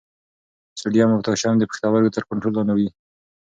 سوډیم او پوټاشیم د پښتورګو تر کنټرول لاندې وي.